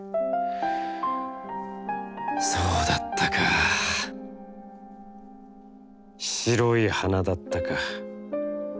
そうだったか――白い花だったか！